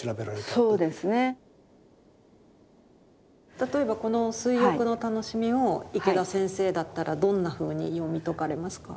例えばこの「水浴の楽しみ」を池田先生だったらどんなふうに読み解かれますか？